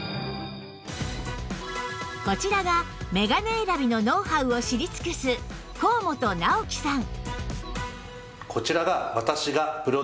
こちらが眼鏡選びのノウハウを知り尽くす高本尚紀さん